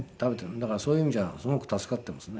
だからそういう意味じゃすごく助かっていますね。